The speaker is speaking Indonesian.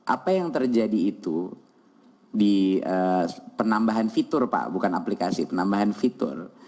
apa yang terjadi itu di penambahan fitur pak bukan aplikasi penambahan fitur